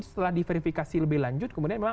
setelah diverifikasi lebih lanjut kemudian memang